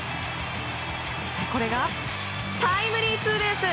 そして、これがタイムリーツーベース！